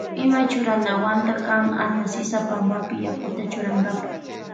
Ima churanawanta kana Ana sisa pampapi yakuta churankapa.